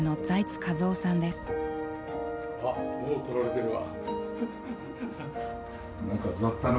あっもう撮られてるわ。